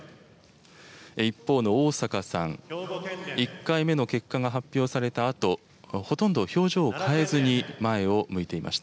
一方の逢坂さん、１回目の結果が発表されたあと、ほとんど表情を変えずに前を向いていました。